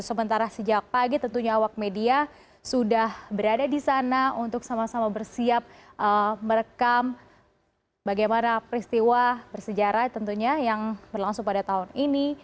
sementara sejak pagi tentunya awak media sudah berada di sana untuk sama sama bersiap merekam bagaimana peristiwa bersejarah tentunya yang berlangsung pada tahun ini